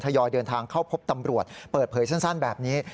ยอยเดินทางเข้าพบตำรวจเปิดเผยสั้นแบบนี้